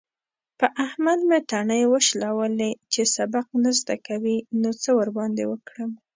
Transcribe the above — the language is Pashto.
په احمد مې تڼۍ وشلولې. چې سبق نه زده کوي؛ نو څه ورباندې وکړم؟!